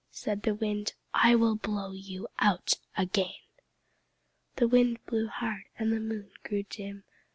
Said the Wind "I will blow you out again." The Wind blew hard, and the Moon grew dim.